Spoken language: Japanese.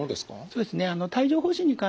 そうですね。